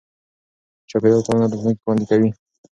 چاپېریال پالنه راتلونکی خوندي کوي.